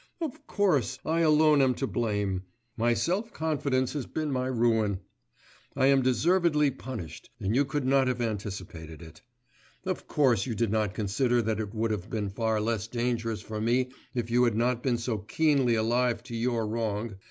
Of course, I alone am to blame, my self confidence has been my ruin; I am deservedly punished, and you could not have anticipated it. Of course you did not consider that it would have been far less dangerous for me if you had not been so keenly alive to your wrong